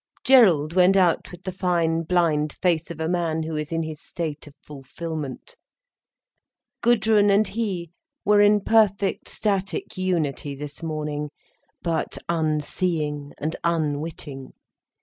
Gerald went out with the fine, blind face of a man who is in his state of fulfilment. Gudrun and he were in perfect static unity this morning, but unseeing and unwitting.